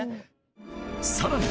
さらに！